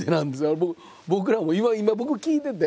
僕らも今僕聞いてて